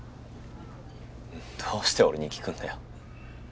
どうして俺に聞くんだよ。